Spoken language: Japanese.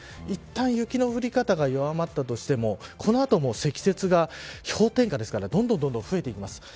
いったん雪の降り方が弱まったとしてもこのあとも積雪が氷点下ですからどんどん増えていきます。